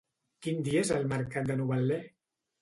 Quin dia és el mercat de Novetlè?